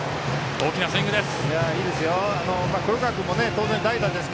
大きなスイングです。